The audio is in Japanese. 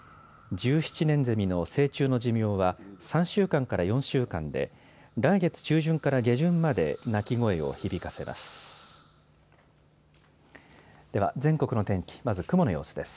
１７年ゼミの成虫の寿命は３週間から４週間で来月中旬から下旬まで鳴き声を響かせます。